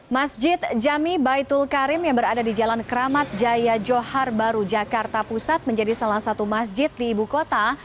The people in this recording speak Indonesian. masjid jami baitul karim yang berada di jalan keramat jaya johar baru jakarta pusat menjadi salah satu masjid di ibu kota